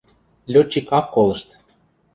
Лётчик ак колышт.